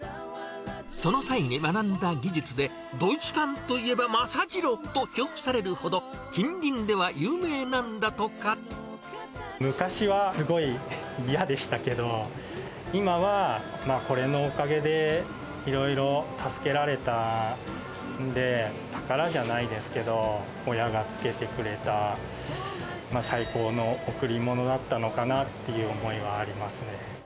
その際に学んだ技術で、ドイツパンといえば政次郎と評されるほど、近隣では有名なんだと昔はすごい嫌でしたけど、今はこれのおかげでいろいろ助けられたんで、宝じゃないですけど、親が付けてくれた最高の贈り物だったのかなっていう思いはありますね。